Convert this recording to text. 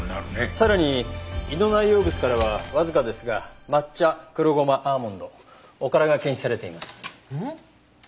さらに胃の内容物からはわずかですが抹茶黒ゴマアーモンドおからが検出されています。